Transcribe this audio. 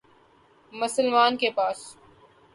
مسلمان کے پاس